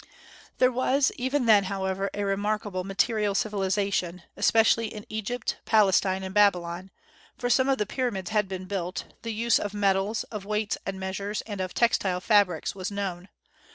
There was even then, however, a remarkable material civilization, especially in Egypt, Palestine, and Babylon; for some of the pyramids had been built, the use of the metals, of weights and measures, and of textile fabrics was known.